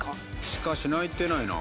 しかし鳴いてないな。